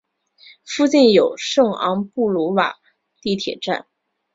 附近有圣昂布鲁瓦地铁站。